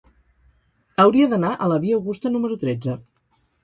Hauria d'anar a la via Augusta número tretze.